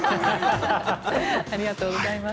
ありがとうございます。